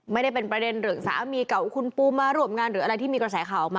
ไม่ได้เป็นประเด็นเรื่องสามีเก่าคุณปูมาร่วมงานหรืออะไรที่มีกระแสข่าวออกมา